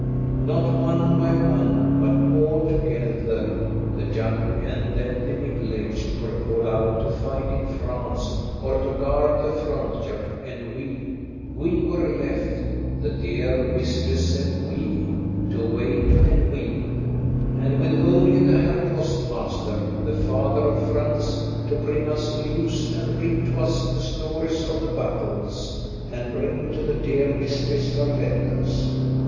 Not one by one, but altogether, the young and then the middle aged were called out to fight in France or to guard the frontier, and we we were left (the dear mistress said "we") to wait and weep, and with only the Herr postmaster, the father of Franz, to bring us news, and read to us the stories of the battles, and bring to the dear mistress her letters.